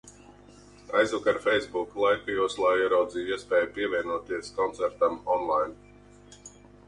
Aizvakar facebook laika joslā ieraudzīju iespēju pievienoties koncertam on-line.